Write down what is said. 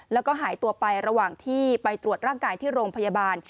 แล้วก็หายตัวไประหว่างที่ไปตรวจร่างกายที่โรงพยาบาล